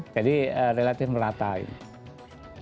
jadi relatif merata ini